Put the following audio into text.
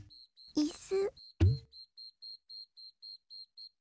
いす！